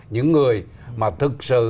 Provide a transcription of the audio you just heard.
những người mà thực sự